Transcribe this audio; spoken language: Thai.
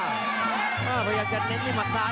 พยายามจะเน้นที่หมัดซ้าย